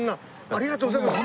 ありがとうございます。